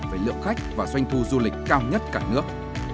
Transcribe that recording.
về lượng khách và doanh thu du lịch cao nhất cả nước